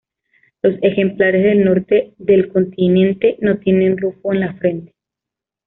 Los ejemplares del norte del continente no tienen rufo en la frente.